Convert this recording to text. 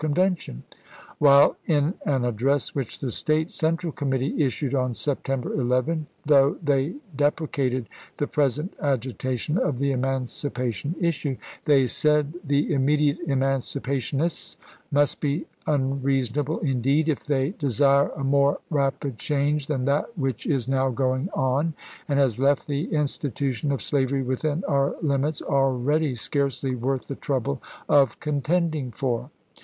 Convention "; while, in an address which the State wes. ' Central Committee issued on September 11, though they deprecated the present agitation of the eman cipation issue, they said the immediate emancipa tionists must be unreasonable indeed if they "desire a more rapid change than that which is now going on, and has left the institution of slavery within our limits already scarcely worth ibid., the trouble of contending for."